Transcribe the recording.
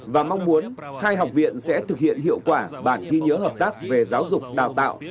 và mong muốn hai học viện sẽ thực hiện hiệu quả bản ghi nhớ hợp tác về giáo dục đào tạo